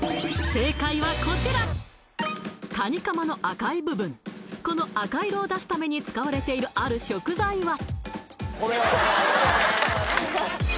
正解はこちらカニカマの赤い部分この赤色を出すために使われているある食材は？